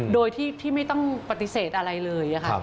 โดยที่ไม่ต้องปฏิเสธอะไรเลย